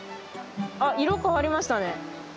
あっ色変わりましたね。